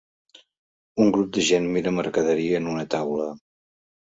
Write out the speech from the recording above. Un grup de gent mira mercaderia en una taula.